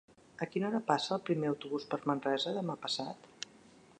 A quina hora passa el primer autobús per Manresa demà passat?